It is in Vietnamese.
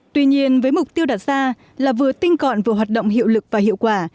tuy nhiên với mục tiêu đặt ra là vừa tinh gọn vừa hoạt động hiệu lực và hiệu quả